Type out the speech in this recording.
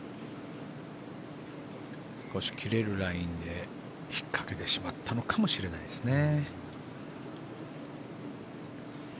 少し切れるラインで引っかけてしまったのかもしれないですね。